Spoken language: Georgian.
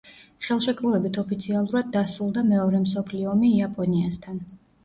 ხელშეკრულებით ოფიციალურად დასრულდა მეორე მსოფლიო ომი იაპონიასთან.